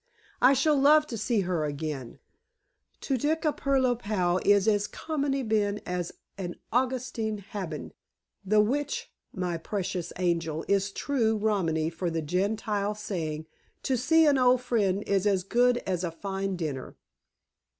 I shall love to see her again. To dick a puro pal is as commoben as a aushti habben, the which, my precious angel, is true Romany for the Gentile saying, 'To see an old friend is as good as a fine dinner.'